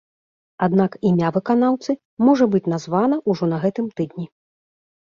Аднак імя выканаўцы можа быць названа ўжо на гэтым тыдні.